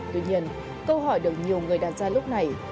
tuy nhiên câu hỏi được nhiều người đàn gia lúc này